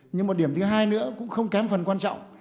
nhưng một điểm thứ hai nữa cũng không kém phần quan trọng